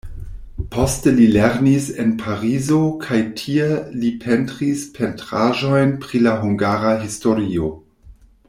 Poste li lernis en Parizo kaj tie li pentris pentraĵojn pri la hungara historio.